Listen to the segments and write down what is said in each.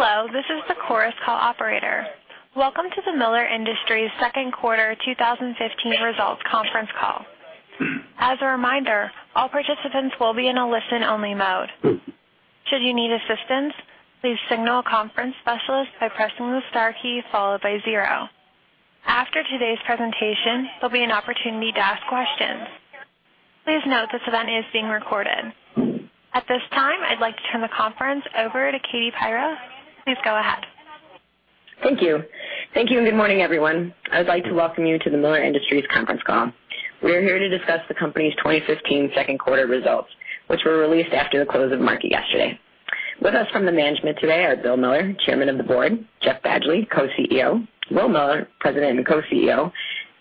Hello, this is the Chorus Call operator. Welcome to the Miller Industries second quarter 2015 results conference call. As a reminder, all participants will be in a listen-only mode. Should you need assistance, please signal a conference specialist by pressing the star key followed by zero. After today's presentation, there'll be an opportunity to ask questions. Please note this event is being recorded. At this time, I'd like to turn the conference over to Katie Pierro. Please go ahead. Thank you. Thank you. Good morning, everyone. I would like to welcome you to the Miller Industries conference call. We are here to discuss the company's 2015 second quarter results, which were released after the close of market yesterday. With us from the management today are Bill Miller, Chairman of the Board, Jeff Badgley, Co-CEO, Will Miller, President and Co-CEO,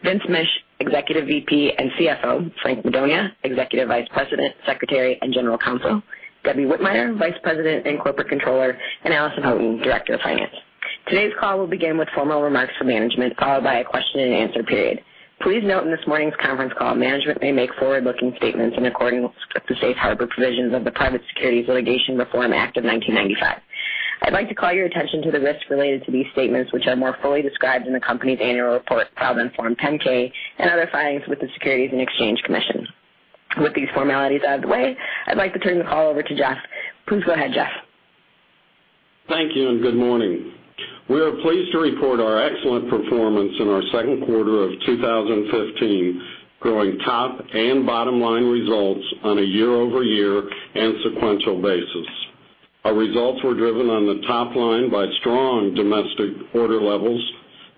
Vince Misch, Executive VP and CFO, Frank Madonia, Executive Vice President, Secretary, and General Counsel, Debbie Whitmire, Vice President and Corporate Controller, and Allison Houghton, Director of Finance. Today's call will begin with formal remarks from management, followed by a question-and-answer period. Please note, in this morning's conference call, management may make forward-looking statements in accordance with the safe harbor provisions of the Private Securities Litigation Reform Act of 1995. I'd like to call your attention to the risks related to these statements, which are more fully described in the company's annual report filed on Form 10-K and other filings with the Securities and Exchange Commission. With these formalities out of the way, I'd like to turn the call over to Jeff. Please go ahead, Jeff. Thank you. Good morning. We are pleased to report our excellent performance in our second quarter of 2015, growing top and bottom-line results on a year-over-year and sequential basis. Our results were driven on the top line by strong domestic order levels,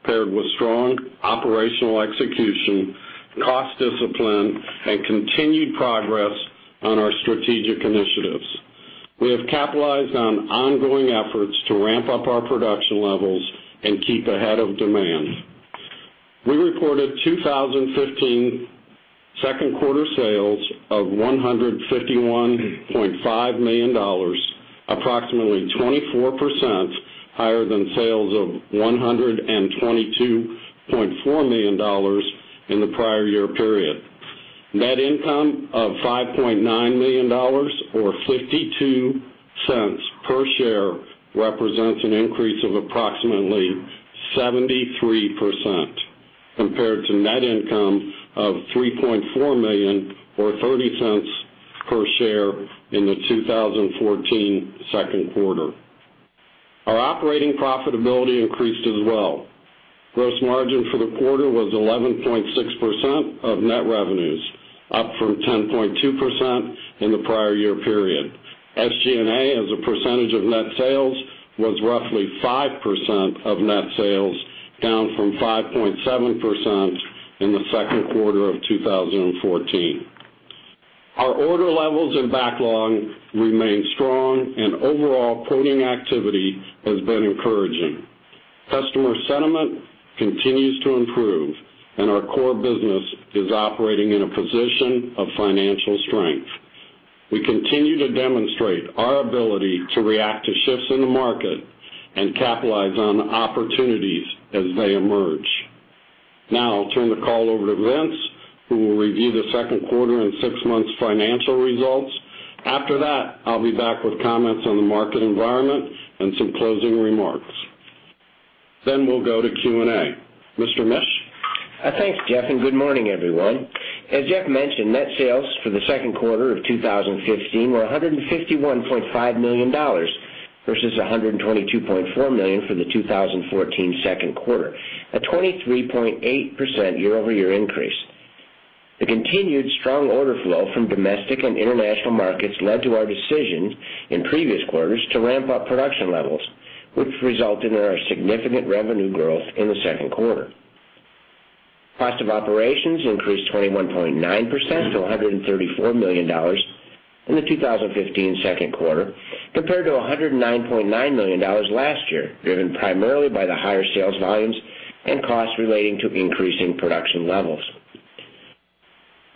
paired with strong operational execution, cost discipline, and continued progress on our strategic initiatives. We have capitalized on ongoing efforts to ramp up our production levels and keep ahead of demand. We reported 2015 second quarter sales of $151.5 million, approximately 24% higher than sales of $122.4 million in the prior year period. Net income of $5.9 million or $0.52 per share represents an increase of approximately 73% compared to net income of $3.4 million or $0.30 per share in the 2014 second quarter. Our operating profitability increased as well. Gross margin for the quarter was 11.6% of net revenues, up from 10.2% in the prior year period. SG&A, as a percentage of net sales, was roughly 5% of net sales, down from 5.7% in the second quarter of 2014. Our order levels and backlog remain strong and overall quoting activity has been encouraging. Customer sentiment continues to improve, and our core business is operating in a position of financial strength. We continue to demonstrate our ability to react to shifts in the market and capitalize on opportunities as they emerge. I'll turn the call over to Vince, who will review the second quarter and six months financial results. After that, I'll be back with comments on the market environment and some closing remarks. We'll go to Q&A. Mr. Misch? Thanks, Jeff, good morning, everyone. As Jeff mentioned, net sales for the second quarter of 2015 were $151.5 million, versus $122.4 million for the 2014 second quarter, a 23.8% year-over-year increase. The continued strong order flow from domestic and international markets led to our decision in previous quarters to ramp up production levels, which resulted in our significant revenue growth in the second quarter. Cost of operations increased 21.9% to $134 million in the 2015 second quarter, compared to $109.9 million last year, driven primarily by the higher sales volumes and costs relating to increasing production levels.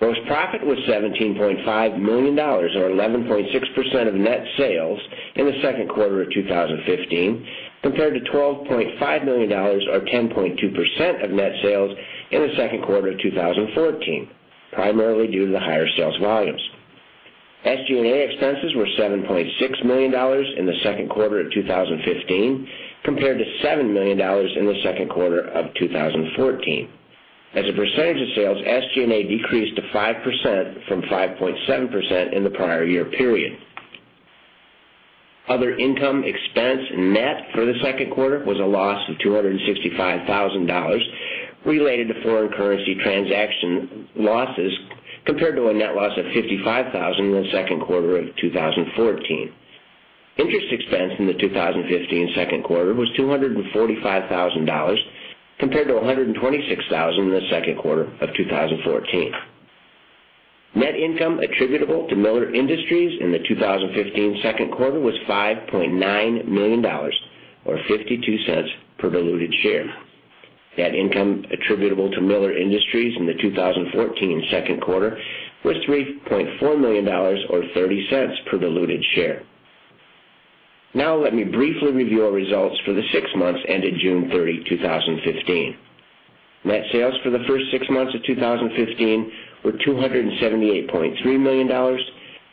Gross profit was $17.5 million or 11.6% of net sales in the second quarter of 2015 compared to $12.5 million or 10.2% of net sales in the second quarter of 2014, primarily due to the higher sales volumes. SG&A expenses were $7.6 million in the second quarter of 2015 compared to $7 million in the second quarter of 2014. As a percentage of sales, SG&A decreased to 5% from 5.7% in the prior year period. Other income expense net for the second quarter was a loss of $265,000 related to foreign currency transaction losses, compared to a net loss of $55,000 in the second quarter of 2014. Interest expense in the 2015 second quarter was $245,000 compared to $126,000 in the second quarter of 2014. Net income attributable to Miller Industries in the 2015 second quarter was $5.9 million or $0.52 per diluted share. Net income attributable to Miller Industries in the 2014 second quarter was $3.4 million or $0.30 per diluted share. Let me briefly review our results for the six months ended June 30, 2015. Net sales for the first six months of 2015 were $278.3 million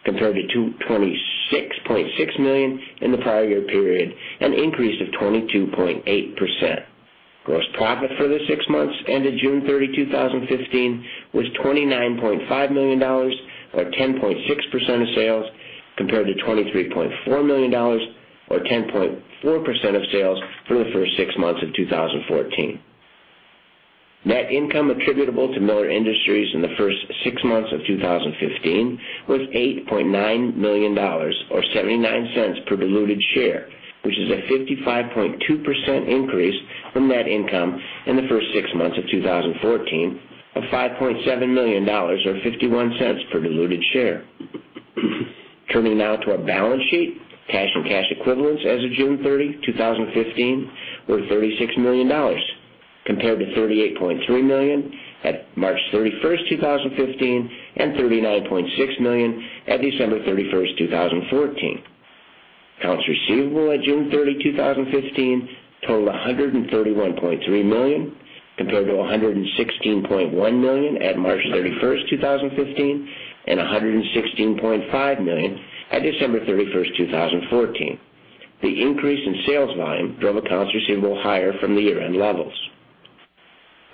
compared to $226.6 million in the prior year period, an increase of 22.8%. Gross profit for the six months ended June 30, 2015, was $29.5 million, or 10.6% of sales, compared to $23.4 million or 10.4% of sales for the first six months of 2014. Net income attributable to Miller Industries in the first six months of 2015 was $8.9 million or $0.79 per diluted share, which is a 55.2% increase from net income in the first six months of 2014 of $5.7 million or $0.51 per diluted share. Turning to our balance sheet. Cash and cash equivalents as of June 30, 2015, were $36 million, compared to $38.3 million at March 31, 2015, and $39.6 million at December 31, 2014. Accounts receivable at June 30, 2015, totaled $131.3 million, compared to $116.1 million at March 31, 2015, and $116.5 million at December 31, 2014. The increase in sales volume drove accounts receivable higher from the year-end levels.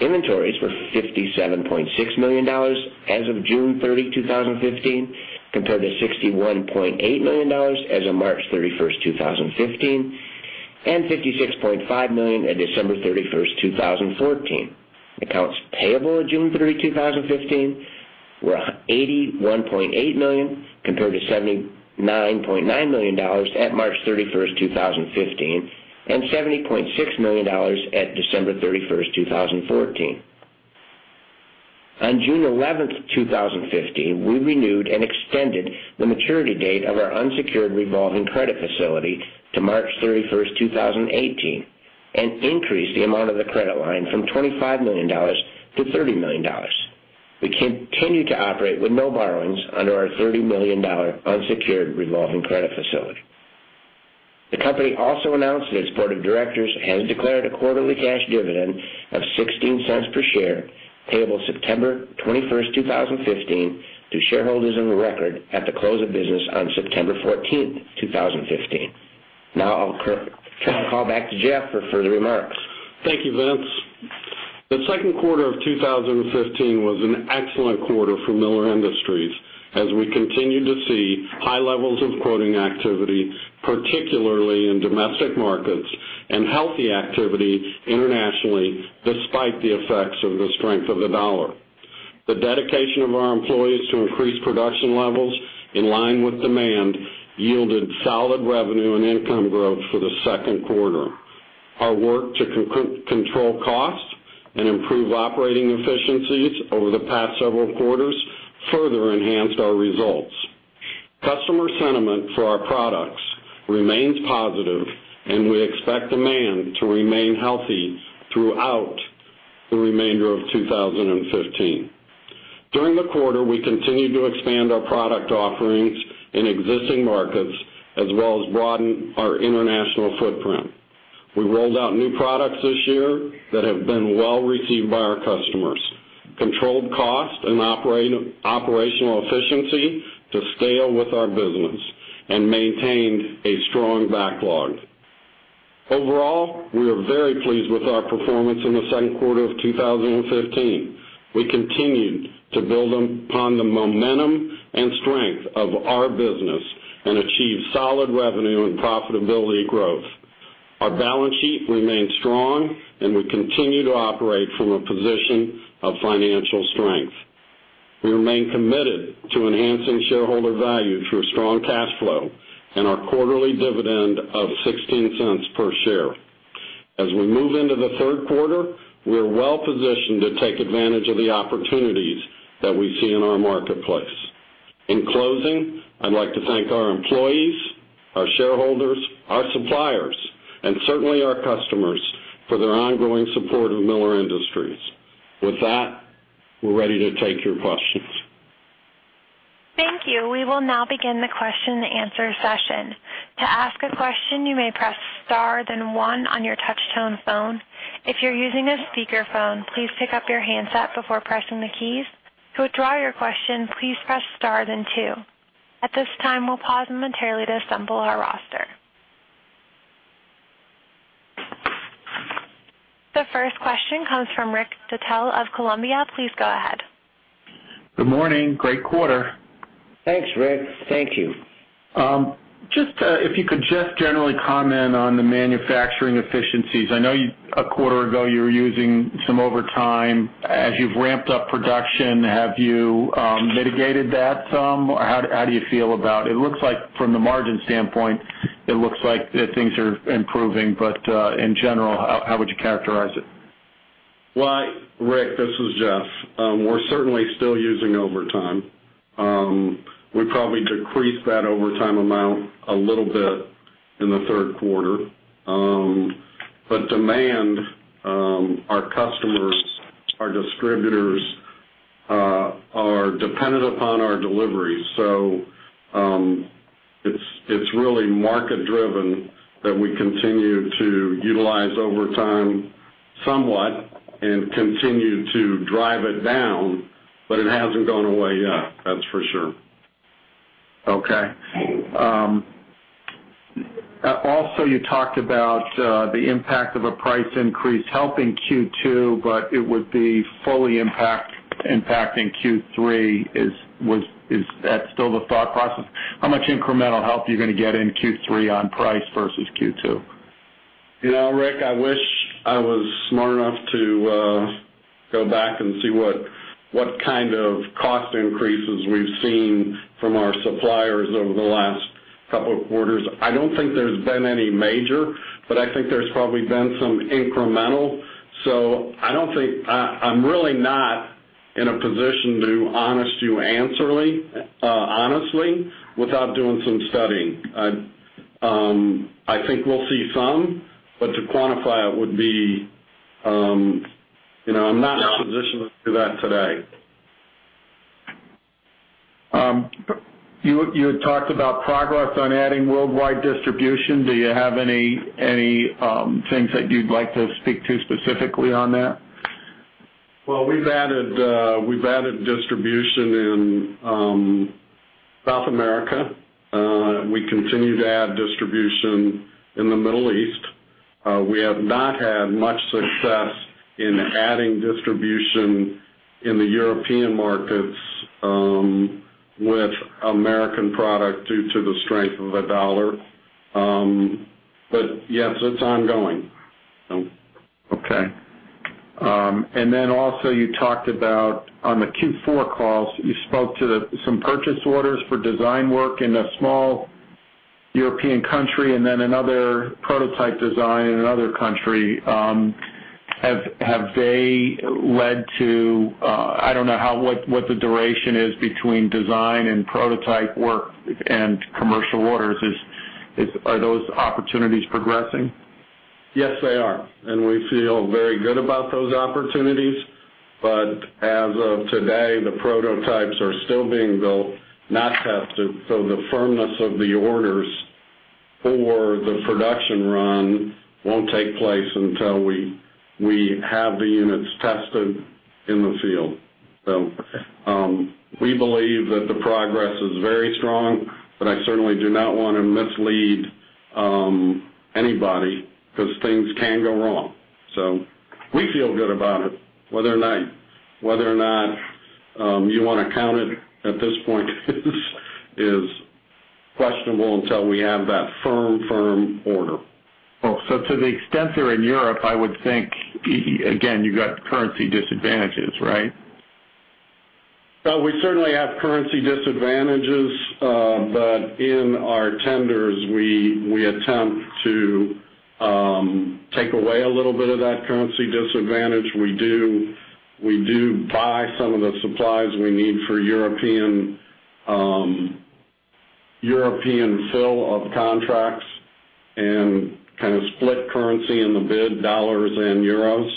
Inventories were $57.6 million as of June 30, 2015, compared to $61.8 million as of March 31, 2015, and $56.5 million at December 31, 2014. Accounts payable at June 30, 2015, were $81.8 million, compared to $79.9 million at March 31, 2015, and $70.6 million at December 31, 2014. On June 11, 2015, we renewed and extended the maturity date of our unsecured revolving credit facility to March 31, 2018, and increased the amount of the credit line from $25 million to $30 million. We continue to operate with no borrowings under our $30 million unsecured revolving credit facility. The company also announced that its board of directors has declared a quarterly cash dividend of $0.16 per share, payable September 21, 2015, to shareholders on the record at the close of business on September 14, 2015. I'll turn the call back to Jeff for further remarks. Thank you, Vince. The second quarter of 2015 was an excellent quarter for Miller Industries as we continued to see high levels of quoting activity, particularly in domestic markets, and healthy activity internationally, despite the effects of the strength of the dollar. The dedication of our employees to increase production levels in line with demand yielded solid revenue and income growth for the second quarter. Our work to control costs and improve operating efficiencies over the past several quarters further enhanced our results. Customer sentiment for our products remains positive, and we expect demand to remain healthy throughout the remainder of 2015. During the quarter, we continued to expand our product offerings in existing markets, as well as broaden our international footprint. We rolled out new products this year that have been well received by our customers, controlled cost and operational efficiency to scale with our business, and maintained a strong backlog. Overall, we are very pleased with our performance in the second quarter of 2015. We continued to build upon the momentum and strength of our business and achieve solid revenue and profitability growth. Our balance sheet remains strong, and we continue to operate from a position of financial strength. We remain committed to enhancing shareholder value through strong cash flow and our quarterly dividend of $0.16 per share. As we move into the third quarter, we are well-positioned to take advantage of the opportunities that we see in our marketplace. In closing, I'd like to thank our employees, our shareholders, our suppliers, and certainly our customers for their ongoing support of Miller Industries. With that, we're ready to take your questions. Thank you. We will now begin the question and answer session. To ask a question, you may press star then one on your touch-tone phone. If you're using a speakerphone, please pick up your handset before pressing the keys. To withdraw your question, please press star then two. At this time, we'll pause momentarily to assemble our roster. The first question comes from Rick D'Etienne of Columbia. Please go ahead. Good morning. Great quarter. Thanks, Rick. Thank you. If you could just generally comment on the manufacturing efficiencies. I know a quarter ago you were using some overtime. As you've ramped up production, have you mitigated that some? How do you feel about it? From the margin standpoint, it looks like things are improving, but in general, how would you characterize it? Well, Rick, this is Jeff. We're certainly still using overtime. We probably decreased that overtime amount a little bit in the third quarter. Demand, our customers, our distributors are dependent upon our deliveries. It's really market-driven that we continue to utilize overtime somewhat and continue to drive it down, but it hasn't gone away yet, that's for sure. Okay. Also, you talked about the impact of a price increase helping Q2, but it would be fully impacting Q3. Is that still the thought process? How much incremental help are you going to get in Q3 on price versus Q2? Rick, I wish I was smart enough to go back and see what kind of cost increases we've seen from our suppliers over the last couple of quarters. I don't think there's been any major, but I think there's probably been some incremental. I'm really not in a position to answer honestly, without doing some studying. I think we'll see some, but to quantify it, I'm not in a position to do that today. You had talked about progress on adding worldwide distribution. Do you have any things that you'd like to speak to specifically on that? Well, we've added distribution in South America. We continue to add distribution in the Middle East. We have not had much success in adding distribution in the European markets with American product due to the strength of the dollar. Yes, it's ongoing. Okay. Also, on the Q4 calls, you spoke to some purchase orders for design work in a small European country and then another prototype design in another country. I don't know what the duration is between design and prototype work and commercial orders. Are those opportunities progressing? Yes, they are. We feel very good about those opportunities. As of today, the prototypes are still being built, not tested. The firmness of the orders for the production run won't take place until we have the units tested in the field. We believe that the progress is very strong, but I certainly do not want to mislead anybody because things can go wrong. We feel good about it. Whether or not you want to count it at this point is questionable until we have that firm order. Oh, to the extent they're in Europe, I would think, again, you got currency disadvantages, right? We certainly have currency disadvantages. In our tenders, we attempt to take away a little bit of that currency disadvantage. We do buy some of the supplies we need for European fill of contracts and kind of split currency in the bid, $ and EUR.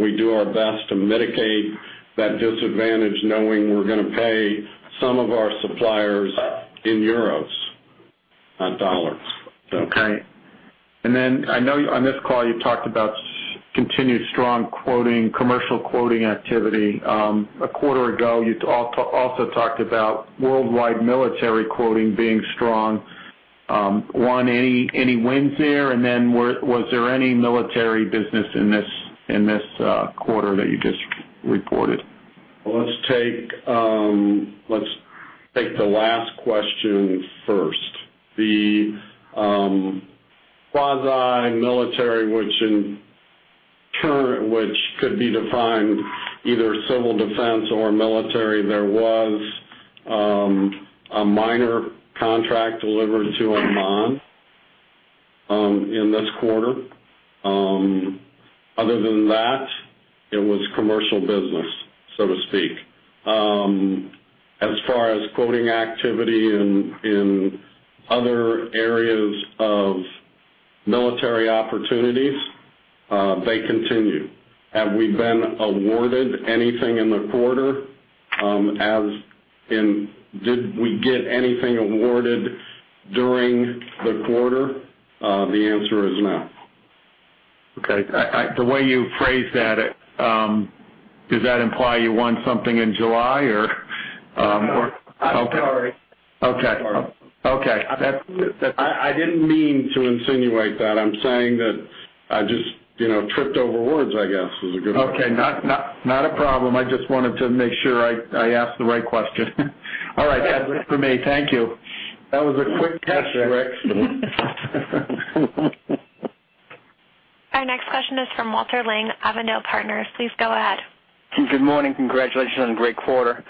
We do our best to mitigate that disadvantage, knowing we are going to pay some of our suppliers in EUR, not $. Okay. I know on this call you talked about continued strong commercial quoting activity. A quarter ago, you also talked about worldwide military quoting being strong. Any wins there? Was there any military business in this quarter that you just reported? Let's take the last question first. The quasi-military which could be defined either civil defense or military, there was a minor contract delivered to Oman in this quarter. Other than that, it was commercial business, so to speak. As far as quoting activity in other areas of military opportunities, they continue. Have we been awarded anything in the quarter? As in, did we get anything awarded during the quarter? The answer is no. Okay. The way you phrased that, does that imply you want something in July or? I'm sorry. Okay. I didn't mean to insinuate that. I'm saying that I just tripped over words, I guess, is a good way. Okay. Not a problem. I just wanted to make sure I asked the right question. All right. That's it for me. Thank you. That was a quick catch, Rick. Our next question is from Walter Young, Avondale Partners. Please go ahead. Good morning. Congratulations on a great quarter.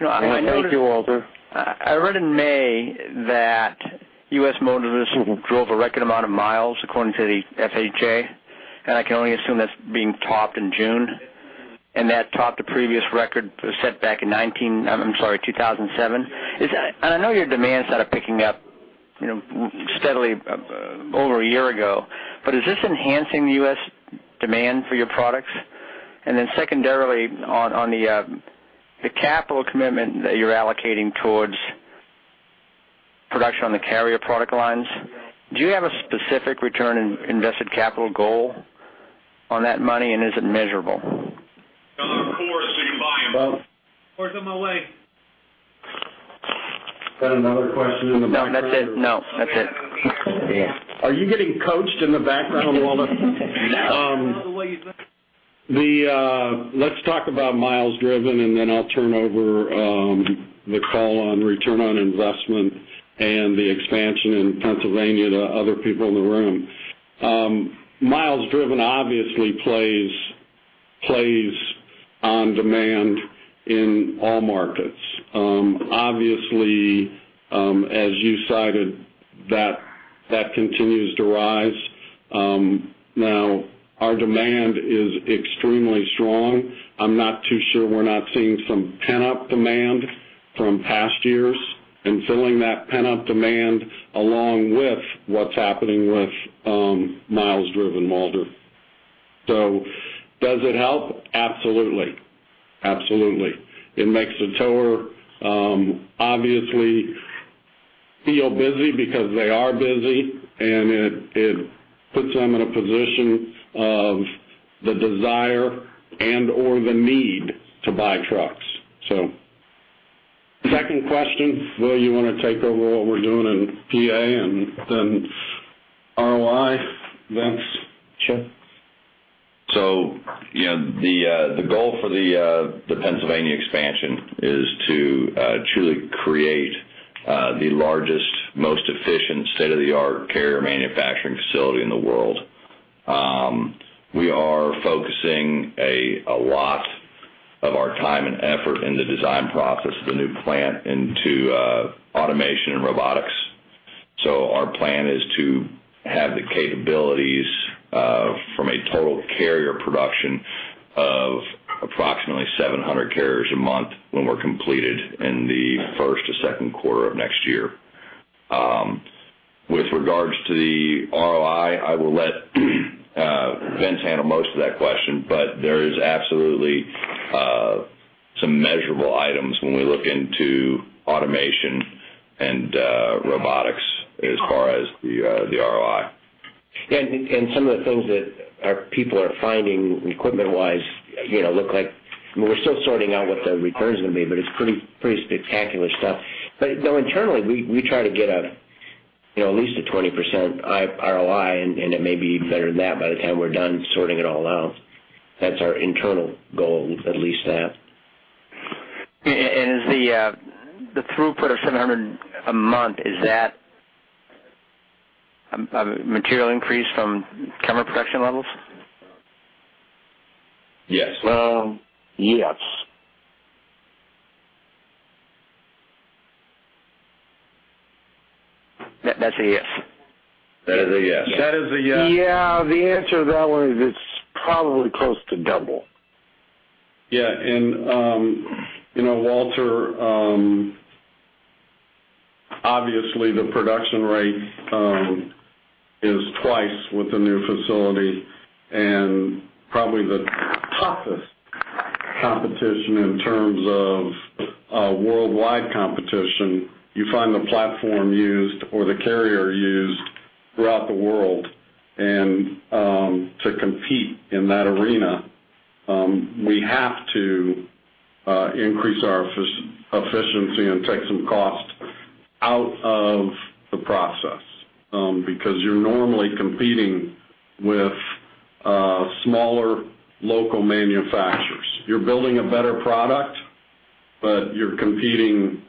Thank you, Walter. I read in May that U.S. motorists drove a record amount of miles, according to the FHWA, and I can only assume that's being topped in June. That topped the previous record set back in I'm sorry, 2007. I know your demands started picking up steadily over a year ago. Is this enhancing the U.S. demand for your products. Secondarily on the capital commitment that you're allocating towards production on the Carriers product lines, do you have a specific return in invested capital goal on that money, and is it measurable? Of course, we can buy them. Car's on my way. Is that another question in the background? No, that's it. No, that's it. Yeah. Are you getting coached in the background, Walter? No. Let's talk about miles driven, I'll turn over the call on return on investment and the expansion in Pennsylvania to other people in the room. Miles driven obviously plays on demand in all markets. Obviously, as you cited, that continues to rise. Now, our demand is extremely strong. I'm not too sure we're not seeing some pent-up demand from past years and filling that pent-up demand along with what's happening with miles driven, Walter. Does it help? Absolutely. It makes the tower obviously feel busy because they are busy, and it puts them in a position of the desire and/or the need to buy trucks. Second question, Will, you want to take over what we're doing in PA, and then ROI, Vince? Sure. The goal for the Pennsylvania expansion is to truly create the largest, most efficient state-of-the-art Carriers manufacturing facility in the world. We are focusing a lot of our time and effort in the design process of the new plant into automation and robotics. Our plan is to have the capabilities from a total Carriers production of approximately 700 Carriers a month when we're completed in the first to second quarter of next year. With regards to the ROI, I will let Vince handle most of that question, but there is absolutely some measurable items when we look into automation and robotics as far as the ROI. Some of the things that our people are finding equipment-wise, look like, we're still sorting out what the return's going to be, but it's pretty spectacular stuff. Internally, we try to get at least a 20% ROI, and it may be even better than that by the time we're done sorting it all out. That's our internal goal, at least that. Is the throughput of 700 a month, is that a material increase from current production levels? Yes. Yes. That's a yes? That is a yes. That is a yes. Yeah, the answer to that one is it's probably close to double. Yeah, Walter, obviously, the production rate is twice with the new facility. Probably the toughest competition in terms of worldwide competition, you find the platform used or the Carriers used throughout the world. To compete in that arena, we have to increase our efficiency and take some cost out of the process because you're normally competing with smaller local manufacturers. You're building a better product, but you're competing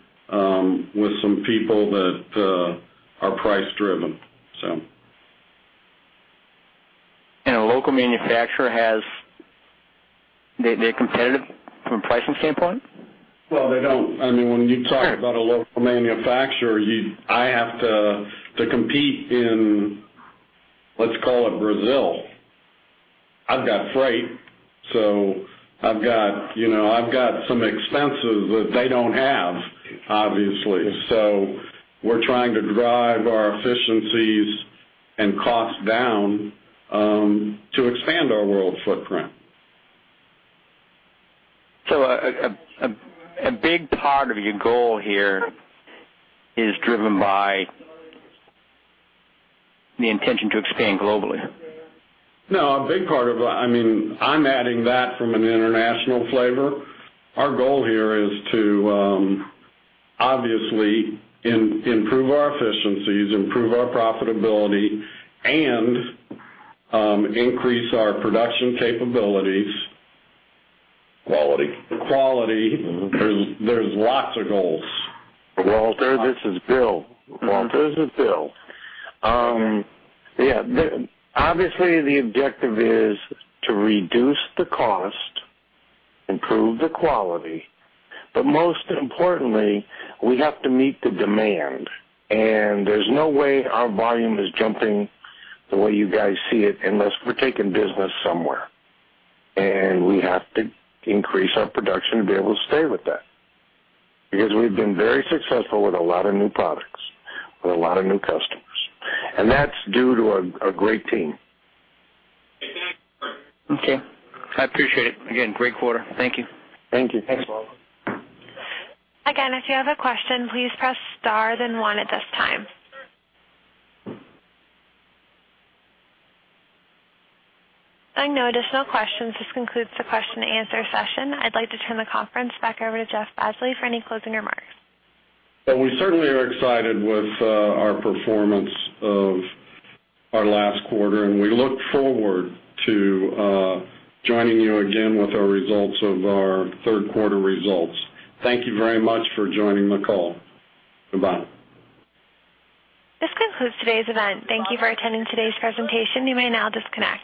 with some people that are price-driven. A local manufacturer, they're competitive from a pricing standpoint? Well, they don't. When you talk about a local manufacturer, I have to compete in, let's call it Brazil. I've got freight, I've got some expenses that they don't have, obviously. We're trying to drive our efficiencies and costs down to expand our world footprint. A big part of your goal here is driven by the intention to expand globally. No, I'm adding that from an international flavor. Our goal here is to obviously improve our efficiencies, improve our profitability, and increase our production capabilities. Quality. Quality. There's lots of goals. Walter, this is Bill. Walter, this is Bill. Obviously, the objective is to reduce the cost, improve the quality, but most importantly, we have to meet the demand. There's no way our volume is jumping the way you guys see it unless we're taking business somewhere. We have to increase our production to be able to stay with that because we've been very successful with a lot of new products, with a lot of new customers. That's due to a great team. Okay. I appreciate it. Again, great quarter. Thank you. Thank you. Thanks, Walter. Again, if you have a question, please press star then one at this time. Seeing no additional questions, this concludes the question and answer session. I'd like to turn the conference back over to Jeff Badgley for any closing remarks. Well, we certainly are excited with our performance of our last quarter, and we look forward to joining you again with our results of our third quarter results. Thank you very much for joining the call. Goodbye. This concludes today's event. Thank you for attending today's presentation. You may now disconnect.